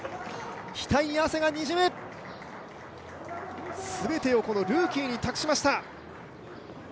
額に汗がにじむ、全てをルーキーに託しました。